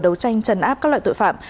đấu tranh trần áp các loại tội phạm